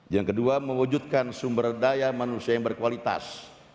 yang kedua mewujudkan sumber daya manusia yang berkualitas